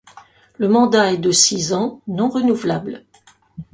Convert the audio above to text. Le mandat est de six ans, non renouvelable.